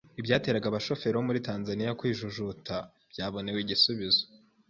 ibyateraga abashoferi muri Tanzania kwijujuta byabonewe igisubizo